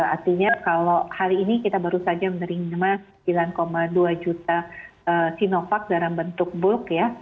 artinya kalau hari ini kita baru saja menerima sembilan dua juta sinovac dalam bentuk bulk ya